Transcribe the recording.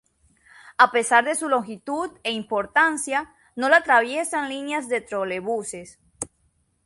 A pesar de su longitud e importancia, no la atraviesan líneas de trolebuses.